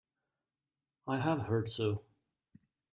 I have heard so.